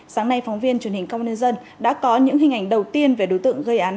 sáng nay phóng viên truyền hình công an nhân dân đã có những hình ảnh đầu tiên về đối tượng gây án